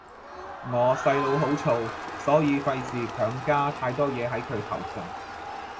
我細佬好燥，所以費事強加太多嘢係佢頭上